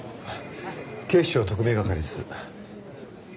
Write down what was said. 警視庁特命係です。